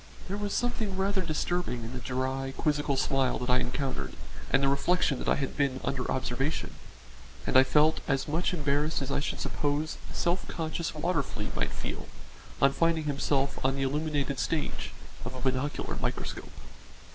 There was something rather disturbing in the dry, quizzical smile that I encountered and the reflection that I had been under observation, and I felt as much embarrassed as I should suppose a self conscious water flea might feel on finding itself on the illuminated stage of a binocular microscope.